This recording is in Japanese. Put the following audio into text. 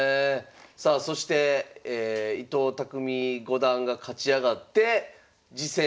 さあそして伊藤匠五段が勝ち上がって次戦